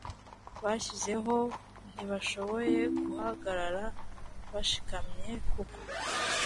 bashizeho u ntibashoboye guhagarara bashikamye kuko